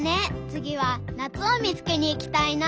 つぎはなつをみつけにいきたいな！